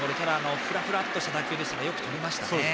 ふらふらとした打球でしたがよくとりました。